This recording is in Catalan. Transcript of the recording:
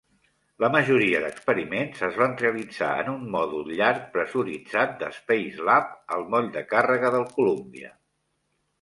La majoria d'experiments es van realitzar en un mòdul llarg pressuritzat de Spacelab al moll de càrrega del "Columbia".